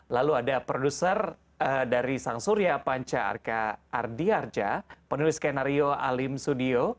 lalu ada produser dari sang surya panca arka ardiarja penulis skenario alim studio